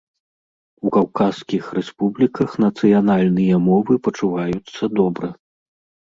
У каўказскіх рэспубліках нацыянальныя мовы пачуваюцца добра.